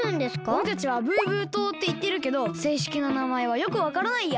おれたちはブーブー島っていってるけどせいしきななまえはよくわからないや。